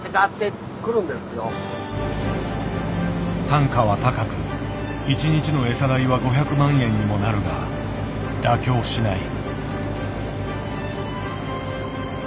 単価は高く１日の餌代は５００万円にもなるが妥協しない。